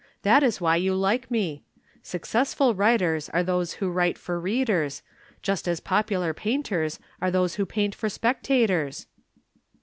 That is why you like me. Successful writers are those who write for readers, just as popular painters are those who paint for spectators."